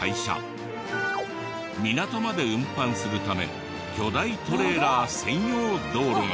港まで運搬するため巨大トレーラー専用道路が。